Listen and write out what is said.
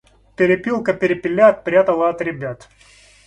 Перепелка перепелят прятала от ребят.